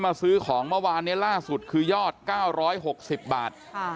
ซื้อของเมื่อวานนี้ล่าสุดคือยอด๙๖๐บาท